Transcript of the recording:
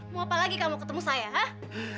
mau apa lagi kamu ketemu saya hah